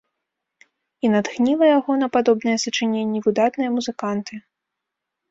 І натхніла яго на падобныя сачыненні выдатныя музыканты.